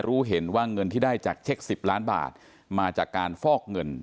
รู้เห็นว่าเงินที่ได้จากเช็ค๑๐ล้านบาทมาจากการฟอกเงิน